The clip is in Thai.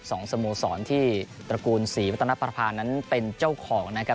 สโมสรที่ตระกูลศรีวัตนประพานั้นเป็นเจ้าของนะครับ